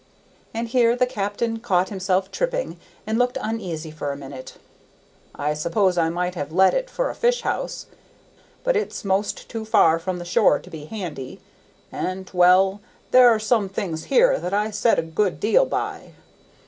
And here the captain caught himself tripping, and looked uneasy for a minute. "I suppose I might have let it for a fish house, but it's most too far from the shore to be handy and well there are some things here that I set a good deal by."